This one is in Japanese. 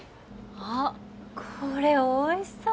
あっこれおいしそう。